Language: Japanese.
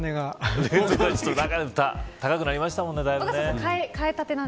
だいぶ高くなりましたもんね。